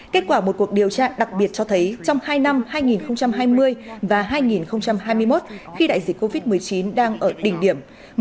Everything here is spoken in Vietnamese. kết quả một cuộc điều tra đặc biệt cho thấy trong hai năm hai nghìn hai mươi và hai nghìn hai mươi một khi đại dịch covid một mươi chín đang ở đỉnh điểm